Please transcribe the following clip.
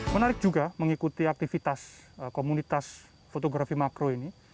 menarik juga mengikuti aktivitas komunitas fotografi makro ini